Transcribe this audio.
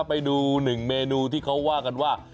ไปดูหนึ่งเมนูที่เขาว่ากันว่า